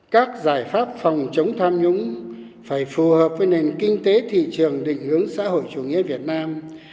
các giải pháp phòng chống tham nhũng phải phù hợp với nền kinh tế thị trường định hướng xã hội chủ nghĩa việt nam